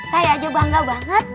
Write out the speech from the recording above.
saya aja bangga banget